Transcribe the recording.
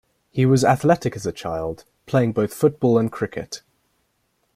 He was athletic as a child, playing both football and cricket.